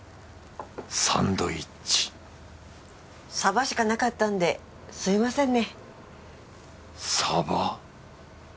サンドイッチしかなかったんですみませんね。